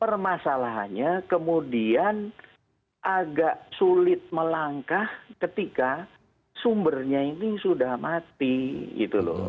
permasalahannya kemudian agak sulit melangkah ketika sumbernya ini sudah mati gitu loh